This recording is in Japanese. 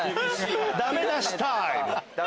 ダメ出しタイム！